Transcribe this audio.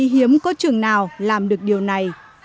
thì hiếm có trường nào làm được điều này